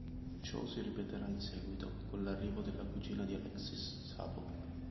Ciò si ripeterà in seguito, con l'arrivo della cugina di Alexis, Sable.